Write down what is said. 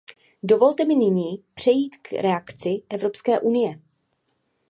Dovolte mi nyní přejít k reakci Evropské unie.